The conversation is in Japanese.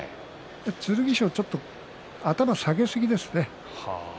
剣翔はちょっと頭を下げすぎですね。